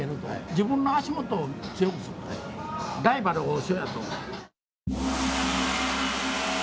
自分の足元を強くする、ライバルは王将やと。